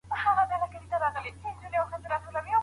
ښوونیزه ارواپوهنه ورځ تر بلې پرمختګ کوي.